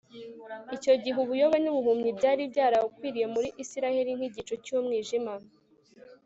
Icyo gihe ubuyobe nubuhumyi byari byarakwiriye muri Isirayeli nkigicu cyumwijima